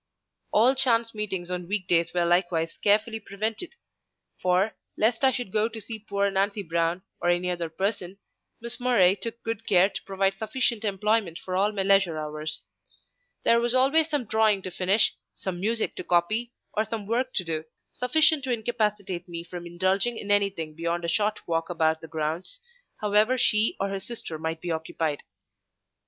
All chance meetings on week days were likewise carefully prevented; for, lest I should go to see poor Nancy Brown or any other person, Miss Murray took good care to provide sufficient employment for all my leisure hours. There was always some drawing to finish, some music to copy, or some work to do, sufficient to incapacitate me from indulging in anything beyond a short walk about the grounds, however she or her sister might be occupied.